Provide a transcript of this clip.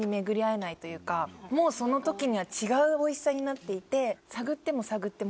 もうその時には違うおいしさになっていて。